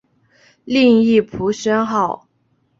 另译朴宣浩。